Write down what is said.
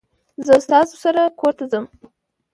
زه ستاسو سره کورته ځم